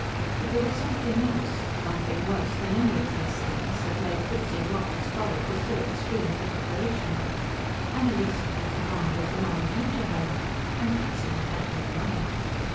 But there was something else, something worse than any of these things, that made Fritzing mop his forehead with so extreme a desperation: Annalise had demanded the money due to her, and Fritzing had no money.